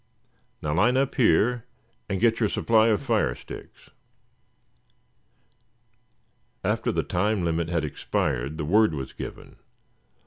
Now, line up here, and get your supply of fire sticks." After the time limit had expired the word was given.